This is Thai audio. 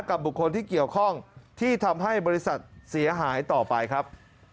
บุคคลที่เกี่ยวข้องที่ทำให้บริษัทเสียหายต่อไปครับ